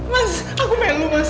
mas aku melu mas